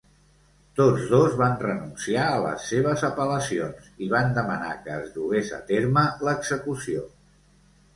Tots dos van renunciar a les seves apel·lacions i van demanar que es dugués a terme l'execució.